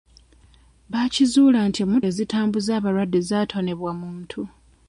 Bakizuula nti emmotoka ezitambuza abalwadde zaatonebwa muntu.